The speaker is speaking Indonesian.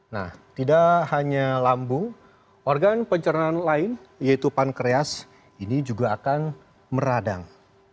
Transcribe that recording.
nah tidak hanya lambung organ pencernaan lain yaitu pankreas ini juga akan meradang